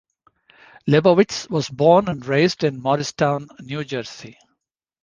Lebowitz was born and raised in Morristown, New Jersey.